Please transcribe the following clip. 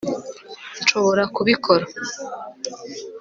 nshobora kubikora